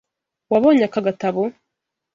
Wabonye aka gatabo?